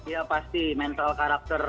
ya pasti mental karakter